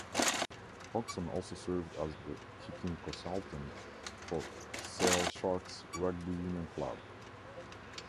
Hodgson also served as the kicking consultant for Sale Sharks Rugby Union Club.